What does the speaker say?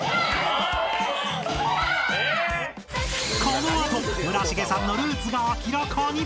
［この後村重さんのルーツが明らかに！］